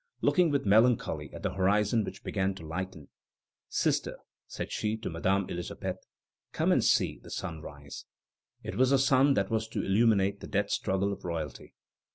Looking with melancholy at the horizon which began to lighten: "Sister," said she to Madame Elisabeth, "come and see the sun rise." It was the sun that was to illumine the death struggle of royalty.